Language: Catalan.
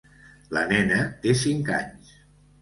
La nena té cinc anys.